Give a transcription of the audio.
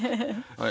はい。